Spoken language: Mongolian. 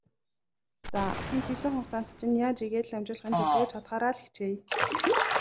За, би хэлсэн хугацаанд чинь яаж ийгээд л амжуулахын төлөө чадахаараа л хичээе.